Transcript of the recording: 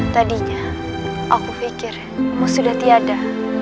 tadinya aku pikirmu sudah tiada